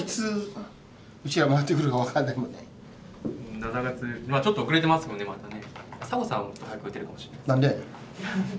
７月ちょっと遅れてますもんねまたね。